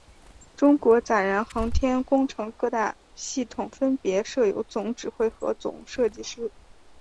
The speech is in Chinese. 中国载人航天工程各大系统分别设有总指挥和总设计师。